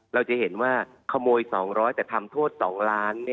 เราจะเห็นว่าขโมย๒๐๐แต่ทำโทษ๒ล้าน